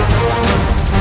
aku akan menangkapmu